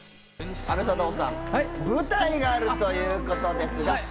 阿部サダヲさん舞台があるということですが。